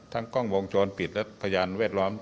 ทั้งกล้องวงโจรปิดและพญานเวทรร้อม